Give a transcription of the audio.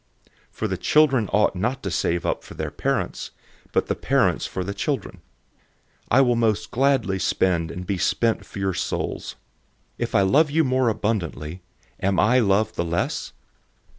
For the children ought not to save up for the parents, but the parents for the children. 012:015 I will most gladly spend and be spent for your souls. If I love you more abundantly, am I loved the less?